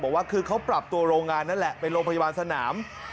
บอกว่าคือเขาปรับตัวโรงงานนั่นแหละเป็นโรงพยาบาลสนาม